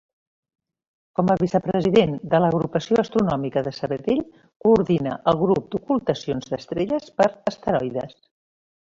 Com a vicepresident de l'Agrupació Astronòmica de Sabadell coordina el grup d'ocultacions d'estrelles per asteroides.